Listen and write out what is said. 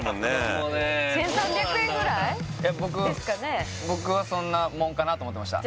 僕僕はそんなもんかなと思ってました